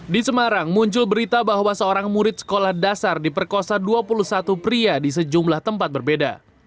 di semarang muncul berita bahwa seorang murid sekolah dasar diperkosa dua puluh satu pria di sejumlah tempat berbeda